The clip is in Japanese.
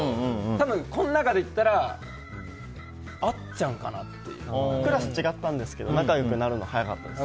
多分、この中ならあっちゃんかな。クラスが違ったんですけど仲良くなるの早かったです。